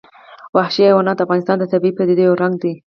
وحشي حیوانات د افغانستان د طبیعي پدیدو یو رنګ دی.